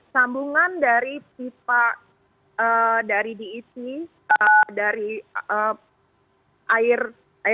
sambungan dari pipa dari diisi dari airnya